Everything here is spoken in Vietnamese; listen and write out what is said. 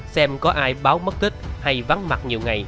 xem có ai báo mất tích hay vắng mặt nhiều ngày